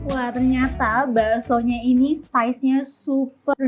wah ternyata baksonya ini saiznya super